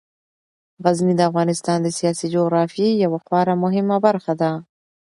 غزني د افغانستان د سیاسي جغرافیې یوه خورا مهمه برخه ده.